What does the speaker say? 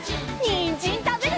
にんじんたべるよ！